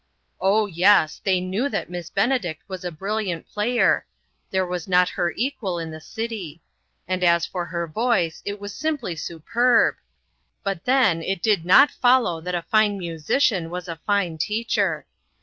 Oh, yes, they knew that Miss Benedict was a brilliant player, there was not her equal in the city ; and as for her voice, it was simply supurb ; but then it did not follow that a fine musician was a fine teacher.